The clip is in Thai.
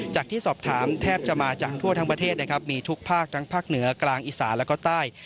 ที่สอบถามแทบจะมาจากทั่วทั้งประเทศนะครับมีทุกภาคทั้งภาคเหนือกลางอีสานแล้วก็ใต้